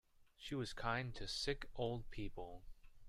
She was kind to sick old people.